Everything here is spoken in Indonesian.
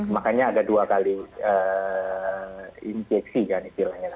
makanya ada dua kali injeksi